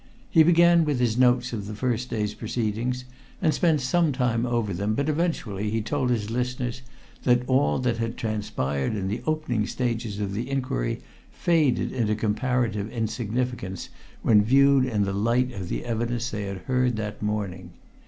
He began with his notes of the first day's proceedings and spent some time over them, but eventually he told his listeners that all that had transpired in the opening stages of the inquiry faded into comparative insignificance when viewed in the light of the evidence they had heard that morning.